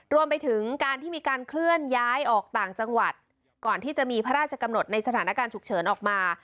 รวมไปถึงการที่มีการเคลื่อนย้ายออกต่างจังหวัดก่อนที่จะมีพระราชกำหนดในสถานการณ์ฉุกเฉินออกมา